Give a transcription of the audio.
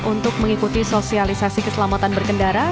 untuk mengikuti sosialisasi keselamatan berkendara